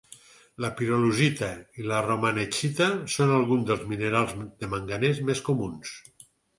La pirolusita i la romanechita són alguns dels minerals de manganès més comuns.